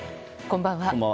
こんばんは。